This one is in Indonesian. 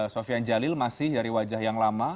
sofian jalil masih dari wajah yang lama